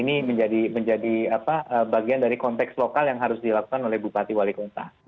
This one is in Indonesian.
ini menjadi bagian dari konteks lokal yang harus dilakukan oleh bupati wali kota